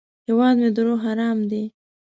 هیواد مې د روح ارام دی